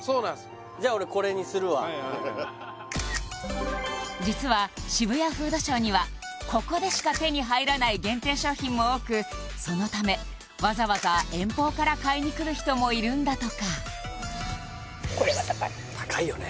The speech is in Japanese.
じゃあ俺実は渋谷フードショーにはここでしか手に入らない限定商品も多くそのためわざわざ遠方から買いに来る人もいるんだとかこれは高い高いよね